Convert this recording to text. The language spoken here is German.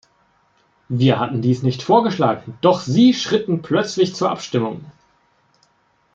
Wir hatten dies nicht vorgeschlagen, doch Sie schritten plötzlich zur Abstimmung.